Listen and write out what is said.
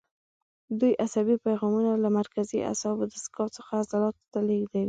دوی عصبي پیغام له مرکزي عصبي دستګاه څخه عضلاتو ته لېږدوي.